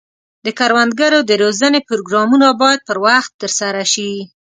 د کروندګرو د روزنې پروګرامونه باید پر وخت ترسره شي.